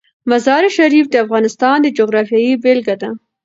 مزارشریف د افغانستان د جغرافیې بېلګه ده.